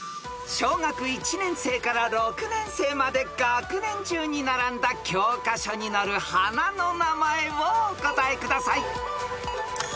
［小学１年生から６年生まで学年順に並んだ教科書に載る花の名前をお答えください］